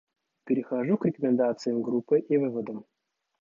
Перехожу к рекомендациям группы и выводам.